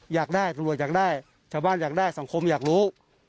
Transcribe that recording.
อยากได้ตำรวจอยากได้ชาวบ้านอยากได้สังคมอยากรู้